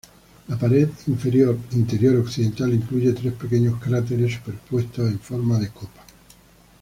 La pared interior occidental incluye tres pequeños cráteres superpuestos en forma de copa.